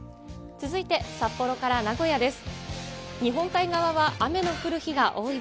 続いて札幌から名古屋です。